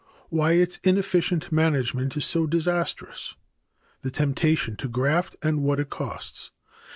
Why its inefficient management is so disastrous. The temptation to graft and what it costs.